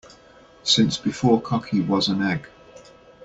Since before cocky was an egg.